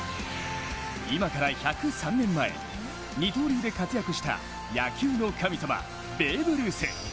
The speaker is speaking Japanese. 今から１０３年前、二刀流で活躍した野球の神様、ベーブ・ルース。